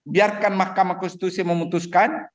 biarkan mahkamah konstitusi memutuskan